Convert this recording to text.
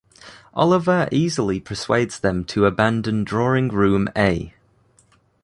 Oliver easily persuades them to abandon Drawing Room A.